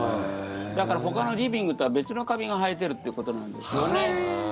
だから、ほかのリビングとは別のカビが生えているということなんですよね。